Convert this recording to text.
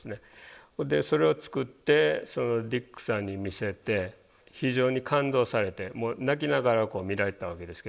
それを作ってディックさんに見せて非常に感動されてもう泣きながら見られてたわけですけど。